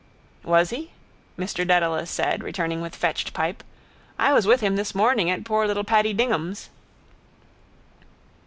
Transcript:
—Was he? Mr Dedalus said, returning with fetched pipe. I was with him this morning at poor little Paddy Dignam's...